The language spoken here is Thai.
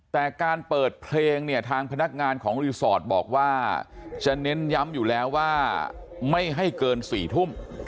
แต่การเปิดเพลงเนี่ยทางพนักงานของรีสอร์ทบอกว่าจะเน้นย้ำอยู่แล้วว่าไม่ให้เกิน๔ทุ่ม